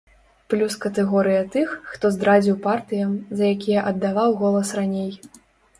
Плюс катэгорыя тых, хто здрадзіў партыям, за якія аддаваў голас раней.